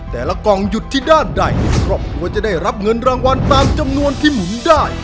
กล่องหยุดที่ด้านใดครอบครัวจะได้รับเงินรางวัลตามจำนวนที่หมุนได้